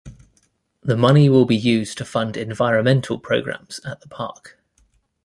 The money will be used to fund environmental programs at the park.